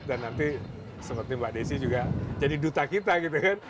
dan nanti seperti mbak desi juga jadi duta kita gitu kan